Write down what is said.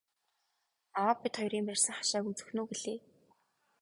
Аав бид хоёрын барьсан хашааг үзэх нь үү гэлээ.